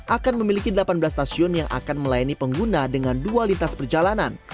akan memiliki delapan belas stasiun yang akan melayani pengguna dengan dua lintas perjalanan